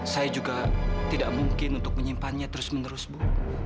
saya juga tidak mungkin untuk menyimpannya terus menerus bu